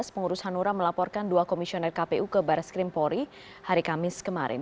pengurus hanura melaporkan dua komisioner kpu ke barat skrim pori hari kamis kemarin